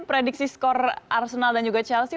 prediksi skor arsenal dan juga chelsea